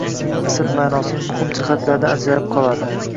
asl ma’nosining muhim jihatlaridan ajrab qoladi.